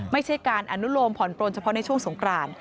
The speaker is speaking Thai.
ไม่ใช่การอนุโลมผ่อนปลนเฉพาะในช่วงสงกราน